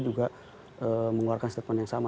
juga mengeluarkan statement yang sama